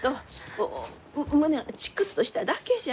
こう胸がチクッとしただけじゃ。